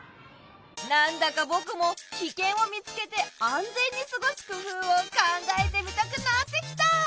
何だかぼくもキケンを見つけて安全に過ごす工夫を考えてみたくなってきた！